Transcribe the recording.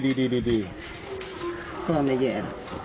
ดีดีดีดีพอไม่แย่